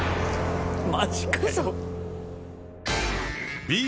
マジかよ。